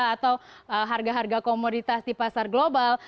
atau harga harga komoditas di pasar global